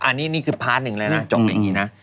อันนี้นี่คือพาร์ทหนึ่งแล้วนะจบอย่างนี้นะ